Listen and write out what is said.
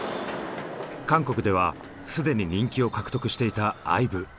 韓国では既に人気を獲得していたＩＶＥ。